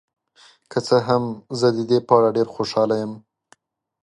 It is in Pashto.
که څه هم، زه د دې په اړه ډیر خوشحاله یم.